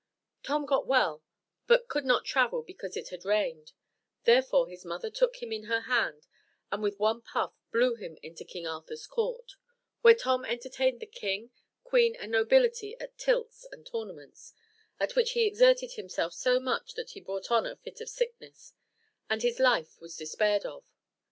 Tom got well, but could not travel because it had rained: therefore his mother took him in her hand, and with one puff blew him into King Arthur's court; where Tom entertained the king, queen, and nobility at tilts and tournaments, at which he exerted himself so much that he brought on a fit of sickness, and his life was despaired of.